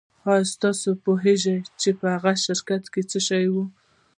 ایا تاسو پوهیږئ چې په هغه شرکت څه شول